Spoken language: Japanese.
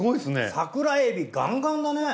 桜エビガンガンだね。